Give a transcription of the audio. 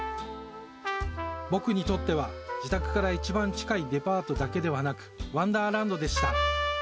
僕にとっては自宅から一番近いデパートだけでなく、ワンダーランドでした。